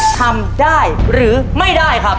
ทำได้หรือไม่ได้ครับ